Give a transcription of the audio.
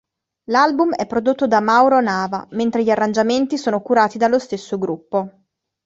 L'album è prodotto da Mauro Nava, mentre gli arrangiamenti sono curati dallo stesso gruppo.